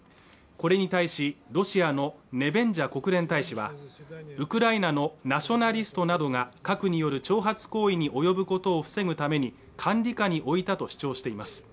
これに対しロシアのネベンジャ国連大使はウクライナのナショナリストなどが核による挑発行為に及ぶことを防ぐために管理下に置いたと主張しています